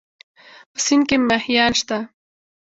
په سيند کې مهيان شته؟